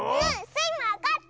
スイもわかった！